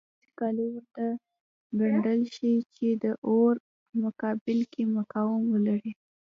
داسې کالي ورته ګنډل شي چې د اور په مقابل کې مقاوم وي.